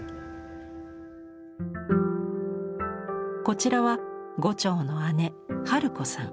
こちらは牛腸の姉春子さん。